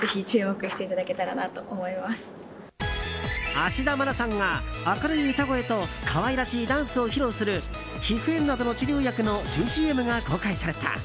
芦田愛菜さんが、明るい歌声と可愛らしいダンスを披露する皮膚炎などの治療薬の新ＣＭが公開された。